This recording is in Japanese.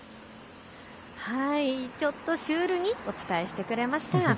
ちょっとシュールにお伝えしてくれました。